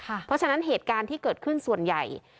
เพราะฉะนั้นเหตุการณ์ที่เกิดขึ้นส่วนใหญ่